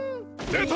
でた！